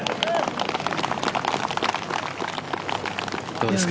どうですか？